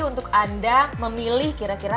untuk anda memilih kira kira